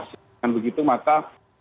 dengan begitu maka